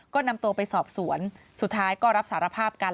ก็นำตัวไปสอบสวนสุดท้ายก็รับสารภาพกัน